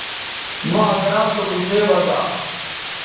مہ اکرم سو گوٹھے بزا